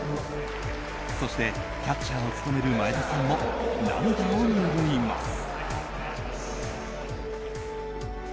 そしてキャッチャーを務める前田さんも涙を拭います。